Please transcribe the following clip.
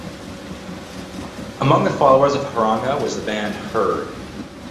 Among the followers of Haranga was the band Hurd.